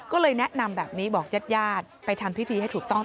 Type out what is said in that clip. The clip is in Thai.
ก็เลยแนะนำแบบนี้บอกญาติญาติไปทำพิธีให้ถูกต้อง